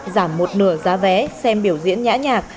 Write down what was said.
giảm một nửa giá vé xem biểu diễn nhã nhạc